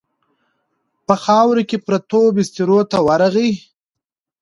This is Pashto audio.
په خاورو کې پرتو بسترو ته ورغی.